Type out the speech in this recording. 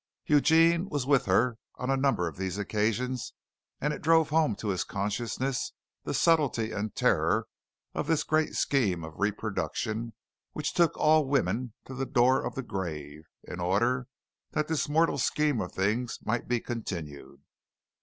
Eugene was with her on a number of these occasions and it drove home to his consciousness the subtlety and terror of this great scheme of reproduction, which took all women to the door of the grave, in order that this mortal scheme of things might be continued.